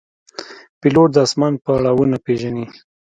پیلوټ د آسمان پړاوونه پېژني.